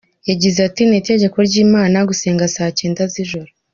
Yagize ati “Ni itegeko ry’Imana gusenga saa cyenda z’ijoro.